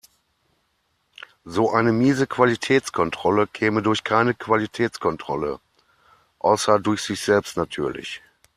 So eine miese Qualitätskontrolle käme durch keine Qualitätskontrolle, außer durch sich selbst natürlich.